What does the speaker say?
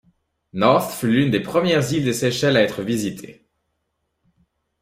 North fut l'une des premières îles du Seychelles à être visitée.